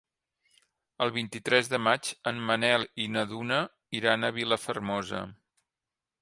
El vint-i-tres de maig en Manel i na Duna iran a Vilafermosa.